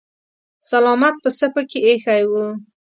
سلامت پسه پکې ايښی و.